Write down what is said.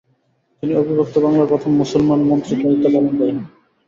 তিনি অবিভক্ত বাংলার প্রথম মুসলমান মন্ত্রীর দায়িত্ব পালন করেন।